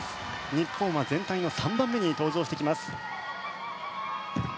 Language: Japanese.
日本は全体の３番目に登場してきます。